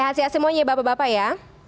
sehat sehat semuanya bapak bapak ya